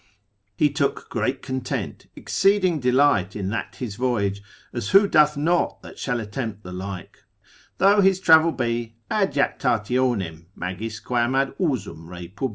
He took great content, exceeding delight in that his voyage, as who doth not that shall attempt the like, though his travel be ad jactationem magis quam ad usum reipub.